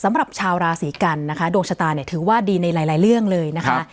สำหรับชาวราศีกันนะคะดวงชะตาเนี่ยถือว่าดีในหลายเรื่องเลยนะคะ